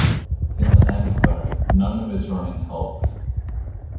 In the end, though, none of his running helped.